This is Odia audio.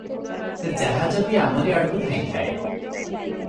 ସେ ଜାହାଜ ବି ଆମ ଆଡକୁ ଧାଇଁଥାଏ ।